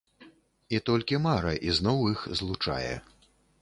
І толькі мара ізноў іх злучае.